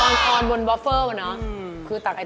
อ่อนทรอนบนวาเฟิลล์เนาะ